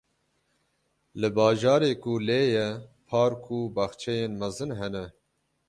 Li bajarê ku lê ye, park û baxçeyên mezin hene.